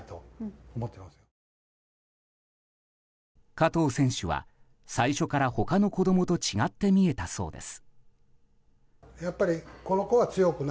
加藤選手は最初から他の子供と違って見えたそうです。